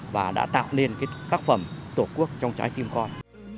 và đã tạo nên cái tác phẩm tổ quốc trong trái tim con